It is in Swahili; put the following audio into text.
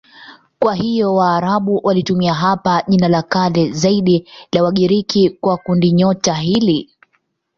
Kwa hiyo Waarabu walitumia hapa jina la kale zaidi la Wagiriki kwa kundinyota hili.